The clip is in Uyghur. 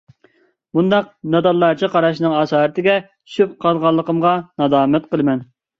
بۇنداق نادانلارچە قاراشنىڭ ئاسارىتىگە چۈشۈپ قالغانلىقىمغا نادامەت قىلىمەن.